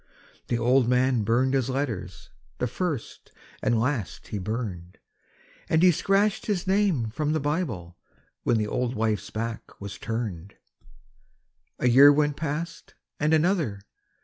The old man burned his letters, the first and last he burned, And he scratched his name from the Bible when the old wife's back was turned. A year went past and another.